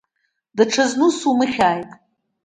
Даҽазны ус умыхьааит!